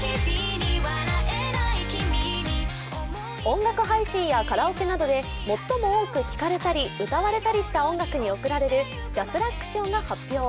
音楽配信やカラオケなどで最も多く聴かれたり歌われたりした音楽に贈られるＪＡＳＲＡＣ賞が発表。